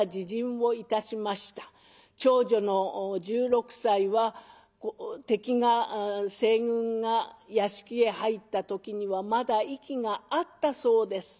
長女の１６歳は敵が西軍が屋敷へ入った時にはまだ息があったそうです。